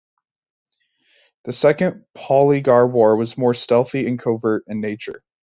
The Second Polygar War was more stealthy and covert in nature.